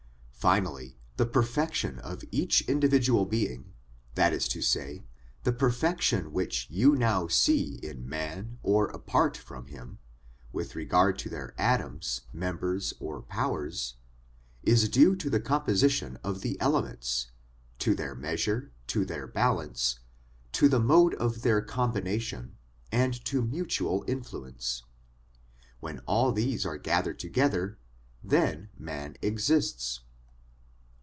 Finally, the perfection of each individual being, that is to say the perfection which you now see in man or apart from him, with regard to their atoms, members, or powers, is due to the composition of the elements, to their measure, to their balance, to the mode of their combination, and to mutual influence. When all these are gathered together, then man exists.